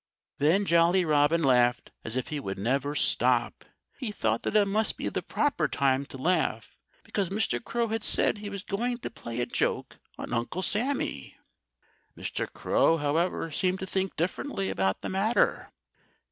Then Jolly Robin laughed as if he would never stop. He thought that it must be the proper time to laugh, because Mr. Crow had said he was going to play a joke on Uncle Sammy. Mr. Crow, however, seemed to think differently about the matter.